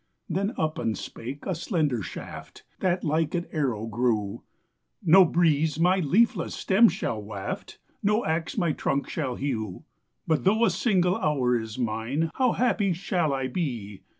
Then up and spake a slender shaft, That like an arrow grew; "No breeze my leafless stem shall waft, No ax my trunk shall hew But though a single hour is mine, How happy shall I be!